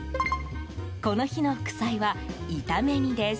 この日の副菜は炒め煮です。